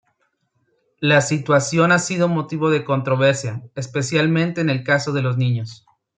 La situación ha sido motivo de controversia, especialmente en el caso de los niños.